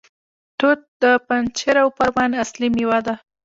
توت د پنجشیر او پروان اصلي میوه ده.